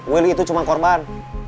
willy itu cuma korban